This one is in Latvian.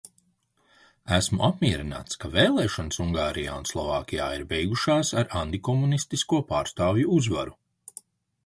Esmu apmierināts, ka vēlēšanas Ungārijā un Slovākijā ir beigušās ar antikomunistisko pārstāvju uzvaru.